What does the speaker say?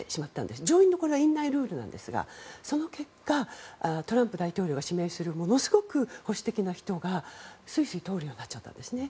これは上院の院内ルールなんですがその結果トランプ大統領が指名するものすごく保守的な人がすいすい通るようになっちゃったんですね。